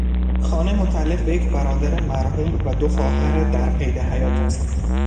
خانه، متعلق به یک برادر مرحوم و دو خواهر در قید حیات است.